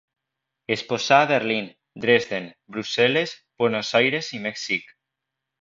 Exposà a Berlín, Dresden, Brussel·les, Buenos Aires i Mèxic.